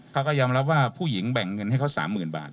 ท่านธุมรับว่าผู้หญิงแบงเค้าเป็นเงินตรงเหล่า๓๐๐๐๐บาท